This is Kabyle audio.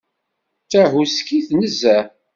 D tahuskit nezzeh.